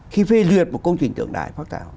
khi phê duyệt một công trình tượng đài phác thảo